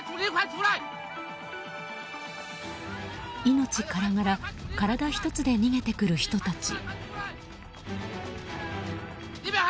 命からがら、体一つで逃げてくる人たち。